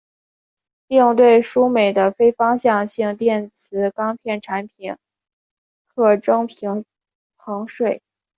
另对输美的非方向性电磁钢片产品课征平衡税。